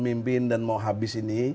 mimpin dan mau habis ini